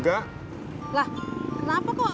dua tanggung apartment